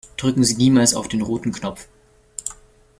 Drücken Sie niemals auf den roten Knopf!